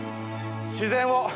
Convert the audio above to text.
自然を。